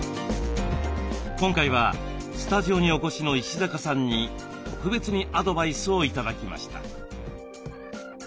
今回はスタジオにお越しの石坂さんに特別にアドバイスを頂きました。